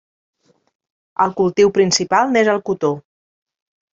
El cultiu principal n'és el cotó.